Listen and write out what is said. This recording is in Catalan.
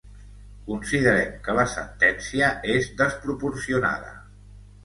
Considerem que la sentència és desproporcionada.